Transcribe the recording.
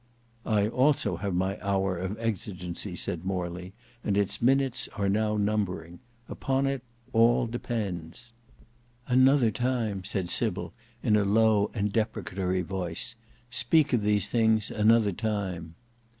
"I also have my hour of exigency," said Morley, "and its minutes are now numbering. Upon it all depends." "Another time," said Sybil, in a low and deprecatory voice; "speak of these things another time!"